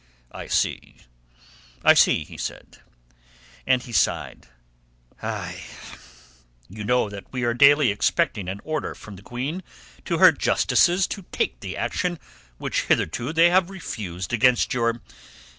"I see, I see," he said. And he sighed. "You know that we are daily expecting an order from the Queen to her Justices to take the action which hitherto they have refused against your...